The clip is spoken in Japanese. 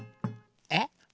えっ？